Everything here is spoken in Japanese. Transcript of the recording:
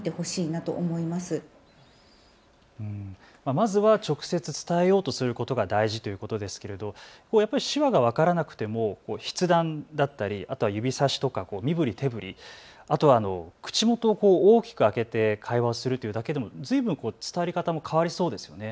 まずは直接伝えようとすることが大事ということですけれどやっぱり手話が分からなくても筆談だったり、指さしとか身ぶり手ぶり、あとは口元を大きく開けて会話をするというだけでもずいぶんと伝わり方も変わりそうですよね。